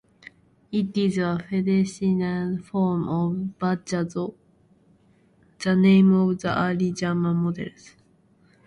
It is a fennicized form of "bajazzo", the name of the early German models.